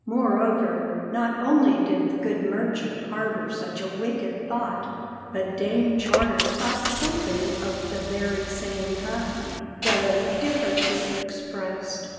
Moreover, not only did the good merchant harbour such a wicked thought, but Dame Charter thought something of the very same kind, though differently expressed.